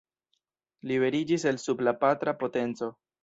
Liberiĝis el sub la patra potenco.